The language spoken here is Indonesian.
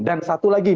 dan satu lagi